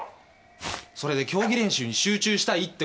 それで競技練習に集中したいって声も出てる。